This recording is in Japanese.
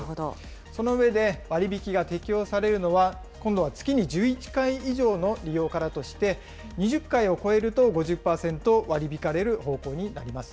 その上で、割引が適用されるのは、今度は月に１１回以上の利用からとして、２０回を超えると５０％割り引かれる方向になります。